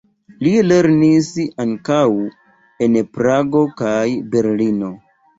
Li lernis ankaŭ en Prago kaj Berlino.